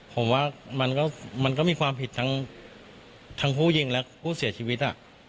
ผมว่ามันก็มีความผิดทั้งผู้ยิงและผู้เสียชีวิต